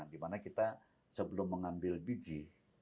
dimana kita sebelum mengambil biji